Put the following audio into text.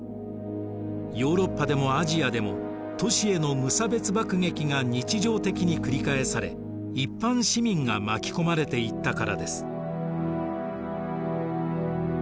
ヨーロッパでもアジアでも都市への無差別爆撃が日常的に繰り返され一般市民が巻き込まれていったからです。